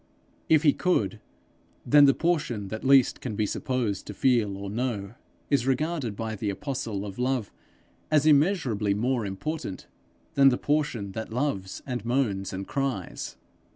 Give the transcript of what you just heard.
If he could, then the portion that least can be supposed to feel or know, is regarded by the apostle of love as immeasurably more important than the portion that loves and moans and cries.